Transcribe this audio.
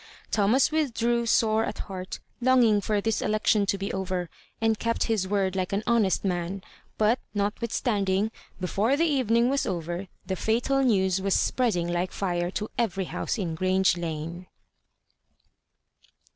Thomas withdrew sore at heart, longing for this election to be oyer, and kept his woid like an honest man; but notwithstanding, before the eyening was oyer, the fatal news was spreading like fire to eyery house in Grange Lane.